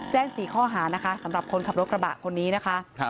๔ข้อหานะคะสำหรับคนขับรถกระบะคนนี้นะคะ